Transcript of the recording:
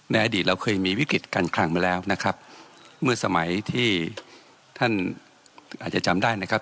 อดีตเราเคยมีวิกฤตการคลังมาแล้วนะครับเมื่อสมัยที่ท่านอาจจะจำได้นะครับ